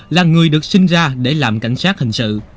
là người được sinh ra để làm cảnh sát hình sự